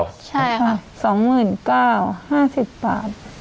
ใช่ครับ๒หมื่น๙๕๐บาท